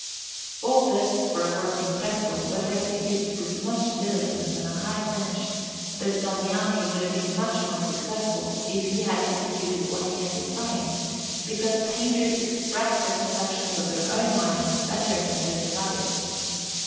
All this, for a work in fresco, was executed with much diligence and a high finish; but Sogliani would have been much more successful if he had executed what he had designed, because painters express the conceptions of their own minds better than those of others.